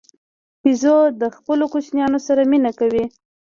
بیزو د خپلو کوچنیانو سره مینه کوي.